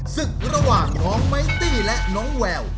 ศึกระหว่างน้องไมตี้และน้องแวว